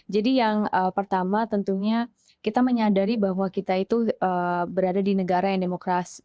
jadi yang pertama tentunya kita menyadari bahwa kita itu berada di negara yang demokrasi